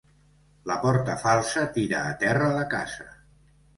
La porta falsa tira a terra la casa.